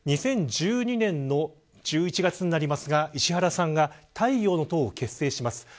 ２０１２年の１１月になりますが、石原さんが太陽の党を結成します。